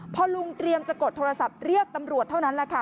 พอลุงเตรียมจะกดโทรศัพท์เรียกตำรวจเท่านั้นแหละค่ะ